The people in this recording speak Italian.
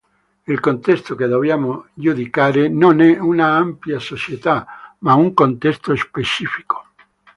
Il contesto che dobbiamo giudicare non è un'ampia società, ma un contesto specifico.